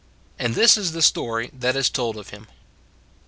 And this is the story that is told of him.